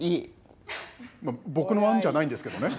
まあ僕の案じゃないんですけどね。